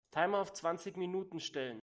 Timer auf zwanzig Minuten stellen.